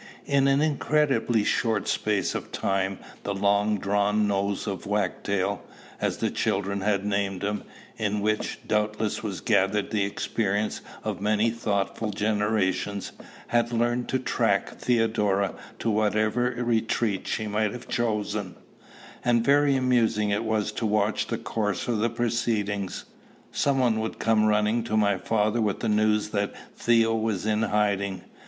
In an incredibly short space of time, the long drawn nose of Wagtail, as the children had named him, in which, doubtless, was gathered the experience of many thoughtful generations, had learned to track Theodora to whatever retreat she might have chosen; and very amusing it was to watch the course of the proceedings. Some one would come running to my father with the news that Theo was in hiding.